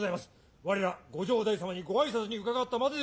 我らご城代様にご挨拶に伺ったまででございます